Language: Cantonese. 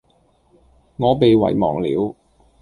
我被遺忘了